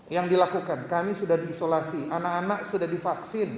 yang dilakukan kami sudah diisolasi anak anak sudah divaksin